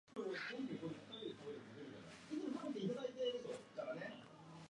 It did not achieve representation elsewhere other than in Sueca.